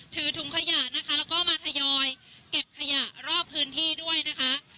ถือถุงขยะนะคะแล้วก็มาทยอยเก็บขยะรอบพื้นที่ด้วยนะคะ